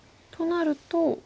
となると。